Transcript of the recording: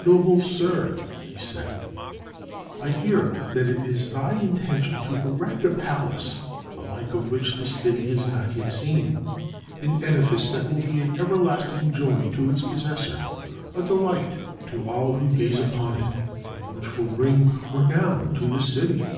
"Noble sir," he said, "I hear that it is thy intention to erect a palace the like of which this city has not yet seen, an edifice that will be an everlasting joy to its possessor, a delight to all who gaze upon it, and which will bring renown to this city."